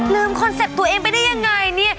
คอนเซ็ปต์ตัวเองไปได้ยังไงเนี่ย